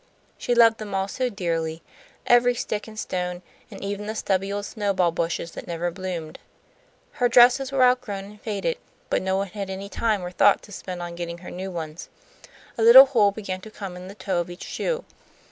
She loved them all so dearly, every stick and stone, and even the stubby old snowball bushes that never bloomed. Her dresses were outgrown and faded, but no one had any time or thought to spend on getting her new ones. A little hole began to come in the toe of each shoe.